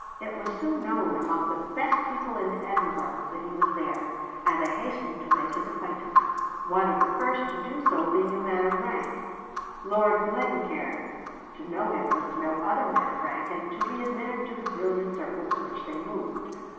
It was soon known among the best people in Edinburgh that he was there, and they hastened to make his acquaintance; one of the first to do so being a man of rank, Lord Glencairn. To know him was to know other men of rank, and to be admitted to the brilliant circles in which they moved.